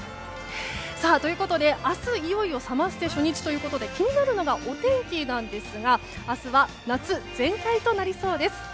さあ、明日、いよいよサマステ初日ということで気になるのがお天気なんですが明日は夏全開となりそうです。